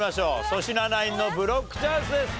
粗品ナインのブロックチャンスです。